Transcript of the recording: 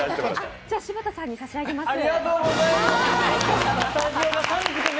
柴田さんに差し上げます。